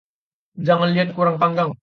Jangat liat kurang panggang